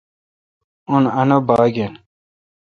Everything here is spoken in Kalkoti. اُن انّا با گ آں